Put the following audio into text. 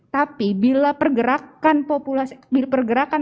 tapi bila pergerakan